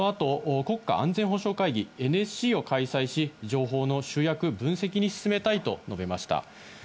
またこの後、国家安全保障会議・ＮＳＣを開催し、情報の集約・分析に進めたいと述べました。